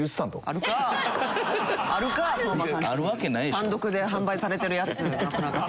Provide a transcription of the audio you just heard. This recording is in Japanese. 単独で販売されてるやつなすなかさんの。